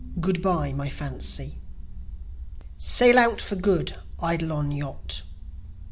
GOOD BYE MY FANCY Sail out for Good, Eidolon Yacht!